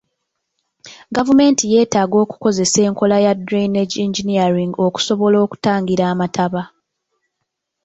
Gavumenti yeetaaga okukozesa enkola ya drainage engineering okusobola okutangira amataba.